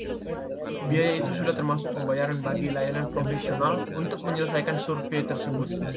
Biaya itu sudah termasuk pembayaran bagi layanan profesional untuk menyelesaikan survei tersebut.